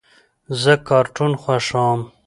زه کارټون خوښوم.